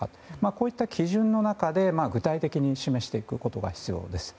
こういった基準の中で具体的に示していくことが必要です。